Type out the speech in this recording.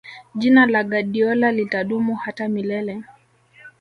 jina la guardiola litadumu hata milele